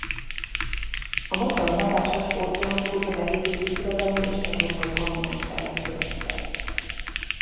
A mozgalom hatása Skócián túl az egész Brit Birodalom és európai kontinens területére kiterjedt.